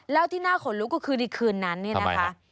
แล้วที่น่าขนลุกก็คือในคืนนั้นเนี่ยนะคะ